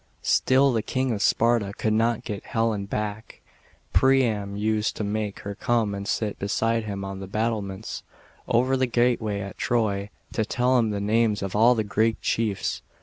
Still the King of Sparta could not get Helen back. Priam used to make her come and sit beside him on the battlements, over the gateway at Troy, to tell him the names of all the Greek chiefs.